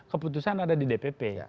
keputusan ada di dpp